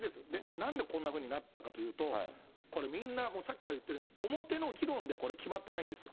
なんでこんなふうになったかっていうと、これ、みんな、さっきから言ってるように、表の議論でこれ、決まってないんですよ。